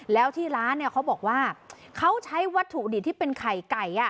แล้วที่ร้านเนี่ยเขาบอกว่าเขาใช้วัตถุดิบที่เป็นไข่ไก่